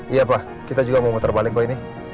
iya pak kita juga mau puter balik pak ini